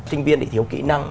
sinh viên thì thiếu kỹ năng